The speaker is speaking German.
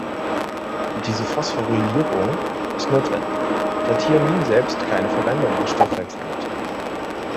Diese Phosphorylierung ist notwendig, da Thiamin selbst keine Verwendung im Stoffwechsel hat.